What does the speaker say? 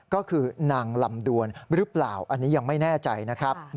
ก็คือนางลำดวนหรือเปล่าอันนี้ยังไม่แน่ใจนะครับ